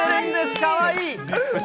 かわいい。